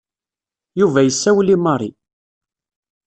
Yuba yessawel i Mary.